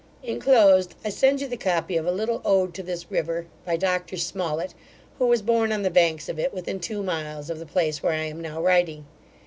Inclosed I send you the copy of a little ode to this river, by Dr Smollett, who was born on the banks of it, within two miles of the place where I am now writing.